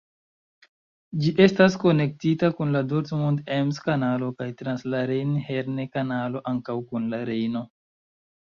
Ĝi estas konektita kun la Dortmund-Ems-Kanalo kaj trans la Rejn-Herne-Kanalo ankaŭ kun la Rejno.